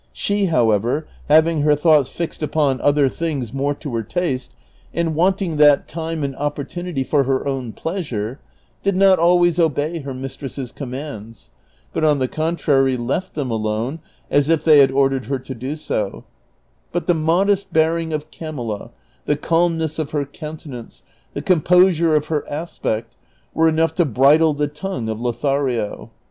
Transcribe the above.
She, however, having her thoughts fixed upon other 286 DON QUIXOTE. things more to her taste, and wanting that time and opportunity for her own pleasures, did not always obey her mistress's commands, but on the contrary left them alone, as if they had oi'dered her to do so ; but the modest bearing of Camilla, the calmness of her covmtenance, the composure of her aspect, were enough to bridle the tongue of Lothario.